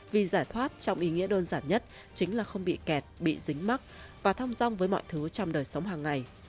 vì giải thoát trong ý nghĩa đơn giản nhất chính là không bị kẹt bị dính mắc và thăm rong với mọi thứ trong đời sống hàng ngày